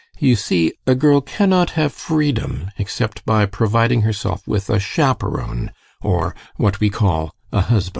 You see, a girl cannot have freedom except by providing herself with a chaperon or what we call a husband.